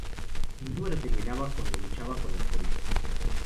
El número terminaba cuando luchaba con las coristas.